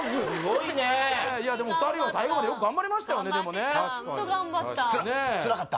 いやでも２人は最後までよく頑張りましたよねでもねつらかった？